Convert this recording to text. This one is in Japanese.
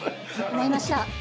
思いました。